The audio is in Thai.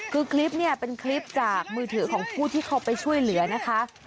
คือคลิปเนี่ยเป็นคลิปจากมือถือของผู้ที่เขาไปช่วยเหลือนะคะ